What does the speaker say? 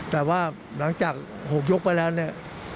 แต่ว่าหลังจากผมยกไปแล้วเนี่ย